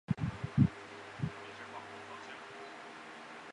这与汽油的理论比能相媲美。